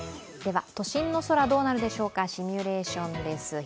都心の空どうなるでしょうかシミュレーションです。